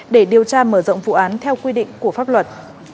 để điều tra mở rộng vụ án theo quy định của pháp luật